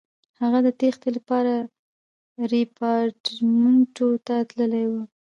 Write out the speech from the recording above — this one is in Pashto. هغه د تېښتې لپاره ریپارټیمنټو ته تللی وای.